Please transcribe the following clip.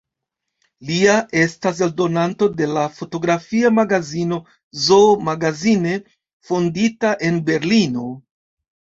Lia estas eldonanto de la fotografia magazino „Zoo Magazine“, fondita en Berlino.